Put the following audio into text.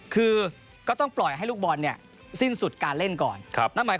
คือก็ต้องปล่อยให้ลูกบอลเนี่ยสิ้นสุดการเล่นก่อน